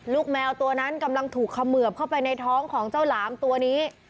แมวตัวนั้นกำลังถูกเขมือบเข้าไปในท้องของเจ้าหลามตัวนี้